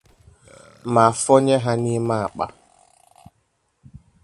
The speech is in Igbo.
ma fọnye ha n'ime àkpà